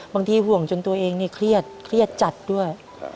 บางทีห่วงจนตัวเองเนี่ยเครียดจัดด้วย